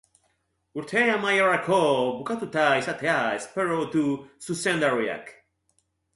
Urte amaierarako bukatuta izatea espero du zuzendariak.